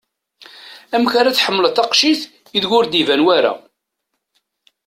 Amek ar ad tḥemmeled taqcict ideg ur-d iban wara?